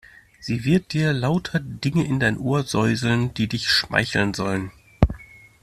Sie wird dir lauter Dinge in dein Ohr säuseln, die dich schmeicheln sollen.